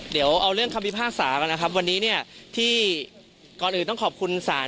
เดี๋ยวเอาเรื่องคำพิพากษามานะครับวันนี้เนี่ยที่ก่อนอื่นต้องขอบคุณศาล